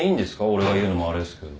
俺が言うのもあれですけど。